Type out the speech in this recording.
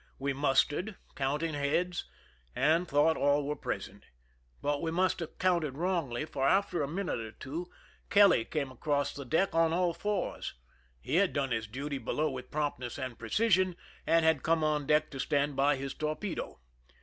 We mustered, counting heads, and thought all were present ; but we must have counted wrongly, for after a minute or two Kelly came across the deck on all fours. He had done his duty below with promptness and precision, arid had come on deck to stand by his torpedo.